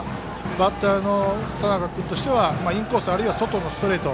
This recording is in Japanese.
バッターの佐仲君としてはインコース、あるいは外のストレート